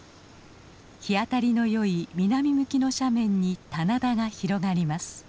日当たりのよい南向きの斜面に棚田が広がります。